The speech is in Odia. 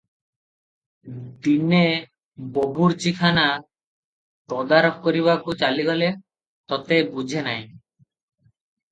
ଦିନେ ବବୁର୍ଚିଖାନା ତଦାରକ କରିବାକୁ ଚାଲିଗଲେ | ତେତେ- ବୁଝେ ନାହିଁ ।